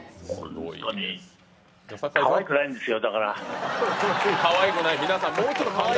かわいくないんですよ、だから。